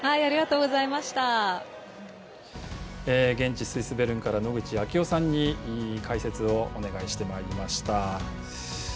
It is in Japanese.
現地スイス・ベルンから野口啓代さんに解説をお願いしてまいりました。